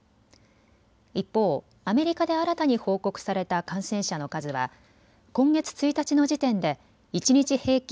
一方、アメリカで新たに報告された感染者の数は今月１日の時点で一日平均